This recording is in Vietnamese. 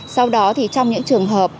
sau đó thì trong những trường hợp